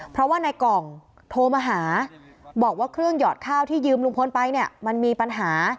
เพราะว่าในกล่องโทรมาหาบอกว่าเครื่องหยอดข้าวที่ยืมลุงพลไปเนี่ยมันมีปัญหา